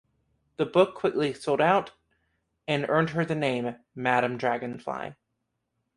The book quickly sold out, and earned her the name "Madame Dragonfly".